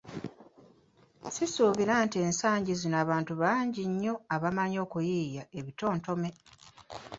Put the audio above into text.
Sisuubira nti ensangi zino abantu bangi nnyo abamanyi okuyiiya ebitontome.